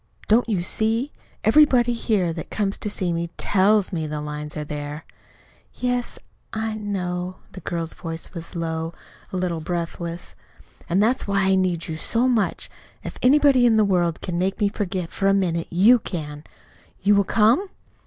Don't you see? Everybody here, that comes to see me, TELLS me the lines are there." "Yes, I know." The girl's voice was low, a little breathless. "And that's why I need you so much. If anybody in the whole world can make me forget for a minute, you can. You will come?"